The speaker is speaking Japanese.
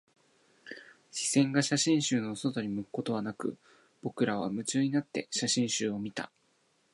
視線が写真集の外に向くことはなく、僕らは夢中になって写真集を見た